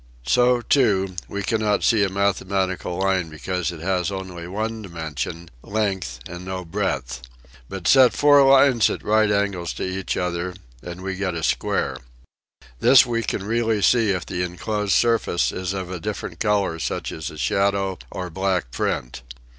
So, too, we cannot see a mathematical line be cause it has only one dimension, length and no breadth. But set four lines at right angles to one another and we. get a square. This we can really see if the enclosed surface is of a different color such as a shadow or black print.